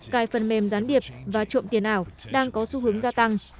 cài phần mềm gián điệp và trộm tiền ảo đang có xu hướng gia tăng